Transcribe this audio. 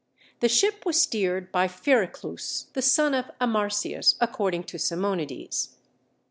The ship was steered by Phereclus, the son of Amarsyas, according to Simonides.